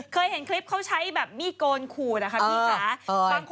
เคยเห็นคลิปเขาใช้มีโกรณ์ขู่นะคะพี่ค่ะ